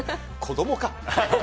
子どもか？